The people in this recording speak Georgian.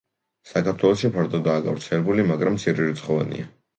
საქართველოში ფართოდაა გავრცელებული, მაგრამ მცირერიცხოვანია.